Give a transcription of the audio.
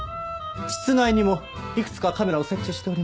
室内にもいくつかカメラを設置しております。